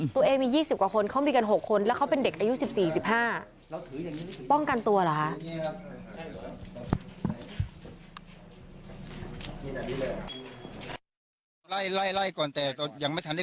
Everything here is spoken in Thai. ตัวเองมี๒๐กว่าคนเขามีกัน๖คนแล้วเขาเป็นเด็กอายุ๑๔๑๕